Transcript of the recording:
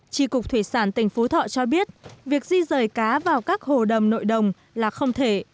tri cục thủy sản tỉnh phú thọ cho biết việc di rời cá vào các hồ đầm nội đồng là không thể